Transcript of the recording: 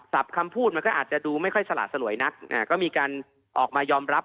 คำพูดมันก็อาจจะดูไม่ค่อยสละสลวยนักก็มีการออกมายอมรับ